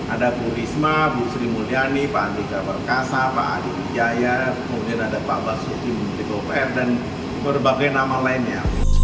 ada bu risma bu sri mulyani pak andika perkasa pak adi wijaya kemudian ada pak basuki menteri pupr dan berbagai nama lainnya